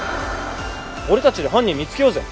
俺たちで犯人見つけようぜ。